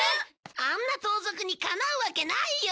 あんな盗賊にかなうわけないよ！